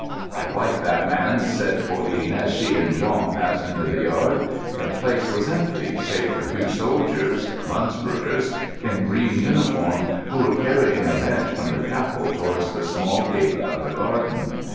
"I like that man," said Pauline, as she and Jean passed into the yard. The place was empty, save for two soldiers—Lunsbrugers—in green uniform, who were carrying a bench from the chapel towards the small gate of the garden.